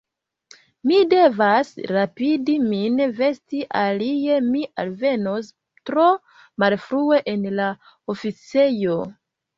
Mi devas rapidi min vesti, alie mi alvenos tro malfrue en la oficejo.